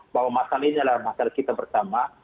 bahwa masalah ini adalah masalah kita bersama